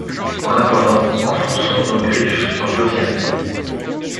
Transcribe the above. En attendant, enfonçons nos griffes dans Josiane.